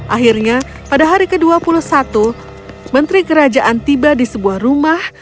akhirnya pada hari ke dua puluh satu menteri kerajaan tiba di sebuah rumah